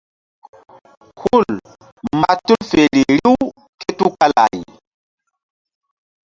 Hul mba tul feri riw ké tukala ay.